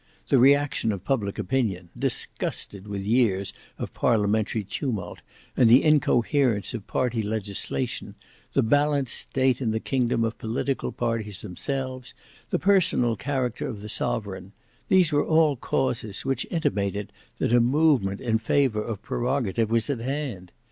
The reaction of public opinion, disgusted with years of parliamentary tumult and the incoherence of party legislation, the balanced state in the kingdom of political parties themselves, the personal character of the sovereign—these were all causes which intimated that a movement in favour of prerogative was at hand.